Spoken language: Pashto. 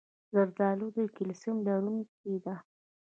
زردالو د کلسیم لرونکی ده.